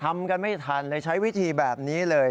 ทำกันไม่ทันเลยใช้วิธีแบบนี้เลย